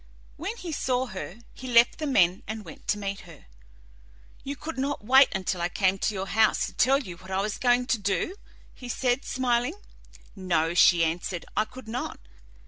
When he saw her he left the men and went to meet her. "You could not wait until I came to your house to tell you what I was going to do?" he said, smiling. "No," she answered, "I could not.